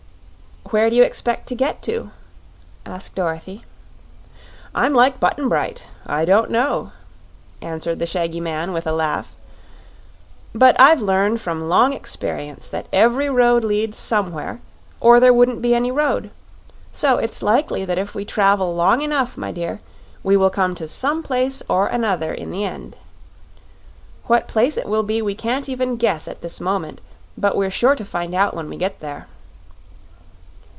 "Where do you expect to get to?" asked Dorothy. "I'm like Button Bright. I don't know," answered the shaggy man, with a laugh. "But I've learned from long experience that every road leads somewhere, or there wouldn't be any road; so it's likely that if we travel long enough, my dear, we will come to some place or another in the end. What place it will be we can't even guess at this moment, but we're sure to find out when we get there."